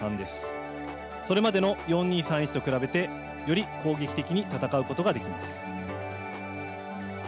それまでの４−２−３−１と比べてより攻撃的に戦うことができます。